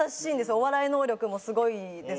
お笑い能力もすごいですし。